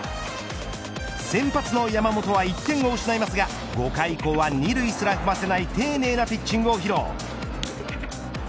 先発の山本は１点を失いますが５回以降は２塁すら踏ませない丁寧なピッチングを披露。